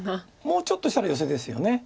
もうちょっとしたらヨセですよね。